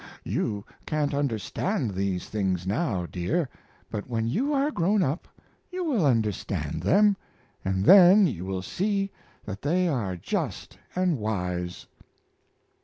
You can't understand these things now, dear, but when you are grown up you will understand them, and then you will see that they are just and wise."